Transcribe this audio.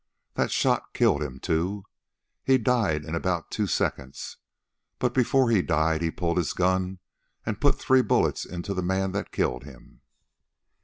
That shot killed him, too. He died in about two seconds. But before he died he'd pulled his gun and put three bullets into the man that killed him."